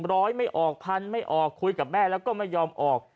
ร้อยไม่ออกพันไม่ออกคุยกับแม่แล้วก็ไม่ยอมออก